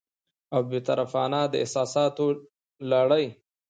او بې طرفانه، د احساساتو لرې